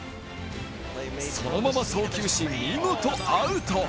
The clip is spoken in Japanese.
そのまま送球し、見事アウト。